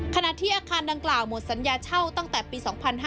ขณะที่อาคารดังกล่าวหมดสัญญาเช่าตั้งแต่ปี๒๕๕๙